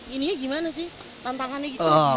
ininya gimana sih tantangannya gitu